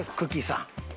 さん。